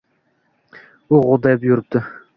U g’o’ddayib yuribdi.